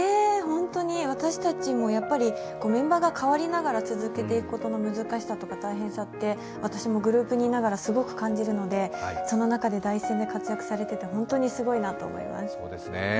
本当に、私たちもメンバーが替わりながら続けていくことの難しいさとか、大変さって、私もグループにいながらすごく感じるので、その中で第一線で活躍されてて本当にすごいなと思います。